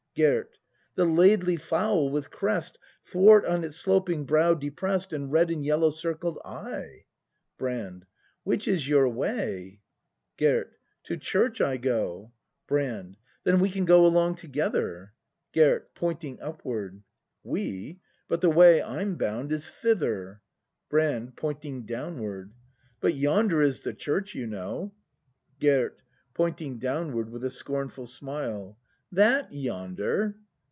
Gerd. The laidly fowl with crest Thwart on its sloping brow depress'd, And red and yellow circled eye. Brand. Which is your way ? Gerd. To church I go. ACT I] BRAND 51 Brand. Then we can go along together. Gerd. [Pointing upward.] We ? But the way I'm bound is thither. Brand. [Pointing downward.] But yonder is the church, you know! Gerd. [Pointing downward tvith a scornful smile.] That yonder